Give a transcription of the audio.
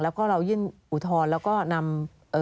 แล้วก็เรายื่นอุทธรณ์แล้วก็นำ